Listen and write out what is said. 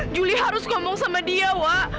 juli harus ngomong sama dia wak